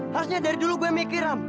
harusnya dari dulu gue mikir ram